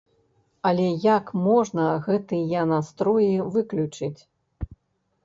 Але як можна гэтыя настроі выключыць?